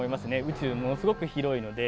宇宙ものすごく広いので。